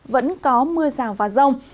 vẫn có mưa rào và rông